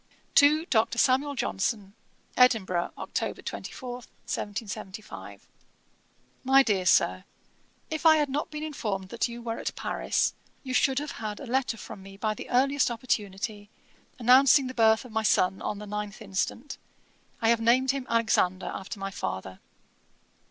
'To DR. SAMUEL JOHNSON. 'Edinburgh, Oct. 24, 1775. 'MY DEAR SIR, 'If I had not been informed that you were at Paris, you should have had a letter from me by the earliest opportunity, announcing the birth of my son, on the 9th instant; I have named him Alexander, after my father.